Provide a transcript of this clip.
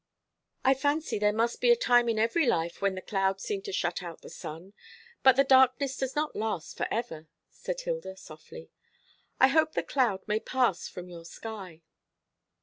"I fancy there must be a time in every life when the clouds seem to shut out the sun; but the darkness does not last for ever," said Hilda softly. "I hope the cloud may pass from your sky."